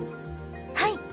はい！